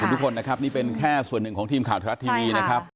ทุกคนนะครับนี่เป็นแค่ส่วนหนึ่งของทีมข่าวไทยรัฐทีวีนะครับ